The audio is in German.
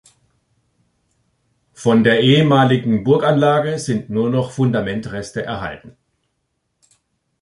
Von der ehemaligen Burganlage sind nur noch Fundamentreste erhalten.